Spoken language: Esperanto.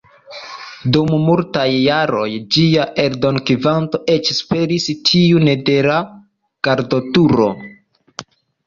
Dum multaj jaroj ĝia eldonkvanto eĉ superis tiun de "La Gardoturo".